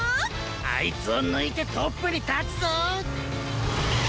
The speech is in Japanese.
あいつをぬいてトップにたつぞ！